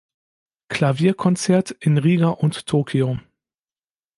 Klavierkonzert in Riga und Tokio.